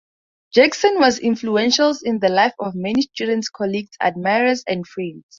Jackson was influential in the lives of many students, colleagues, admirers, and friends.